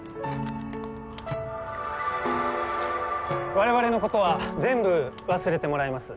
我々のことは全部忘れてもらいます。